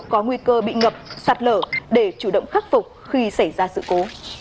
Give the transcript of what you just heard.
có nguy cơ bị ngập sạt lở để chủ động khắc phục khi xảy ra sự cố